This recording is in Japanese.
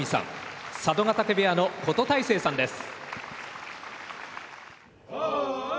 佐渡ヶ嶽部屋の琴太成さんです。